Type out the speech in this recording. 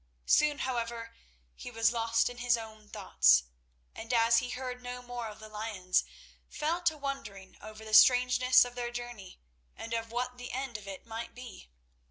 Soon, however, he was lost in his own thoughts, and, as he heard no more of the lions, fell to wondering over the strangeness of their journey and of what the end of it might be.